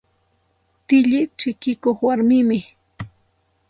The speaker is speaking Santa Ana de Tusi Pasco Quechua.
Tilli chikikuq warmimi.